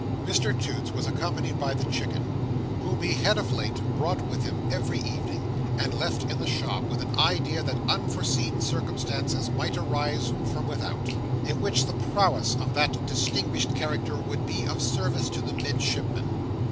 Mr Toots was accompanied by the Chicken, whom he had of late brought with him every evening, and left in the shop, with an idea that unforeseen circumstances might arise from without, in which the prowess of that distinguished character would be of service to the Midshipman.